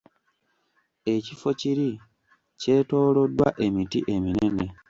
Ekifo kiri kyetooloddwa emiti eminene.